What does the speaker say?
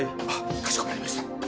かしこまりました。